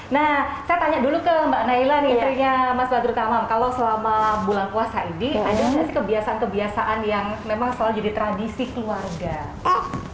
nah saya tanya dulu ke mbak naila nih istrinya mas badrut aman kalau selama bulan puasa ini ada nggak sih kebiasaan kebiasaan yang memang selalu jadi tradisi keluarga